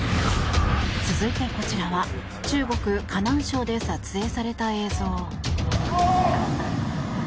続いてこちらは中国河南省で撮影された映像。